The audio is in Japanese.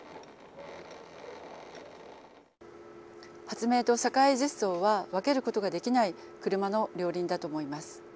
発明と社会実装は分けることができない車の両輪だと思います。